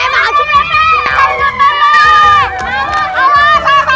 pasti mereka akan kembali